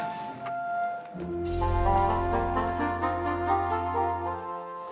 kamu setiap kangen telpon ya